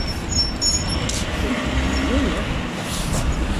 Binne jimme famylje?